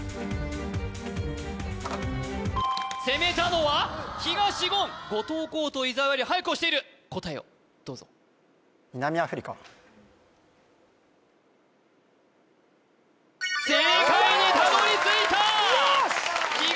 攻めたのは東言後藤弘と伊沢よりはやく押している答えをどうぞ正解にたどり着いた東！